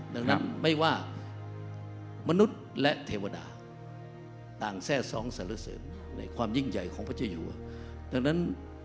นั่นไม่ว่ามนุษย์และเทวดาต่างแทร่๒ศาลเสริมในความยิ่งใหญ่ของพระเจ้าหญิงว่า